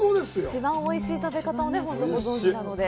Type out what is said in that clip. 一番おいしい食べ方を本当ご存じなので。